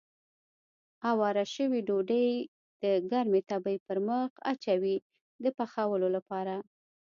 اواره شوې ډوډۍ د ګرمې تبۍ پر مخ اچوي د پخولو لپاره.